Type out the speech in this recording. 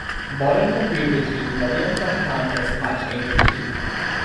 Modern computers use millions of times as much energy.